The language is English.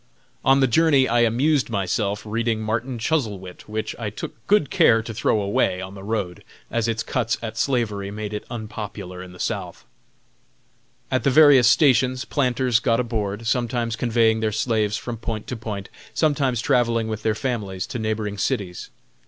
On the journey I amused myself reading Martin Chuzzlewit, which I took good care to throw away on the road, as its cuts at slavery made it unpopular in the South. At the various stations planters got aboard, sometimes conveying their slaves from point to point, sometimes travelling with their families to neighboring cities.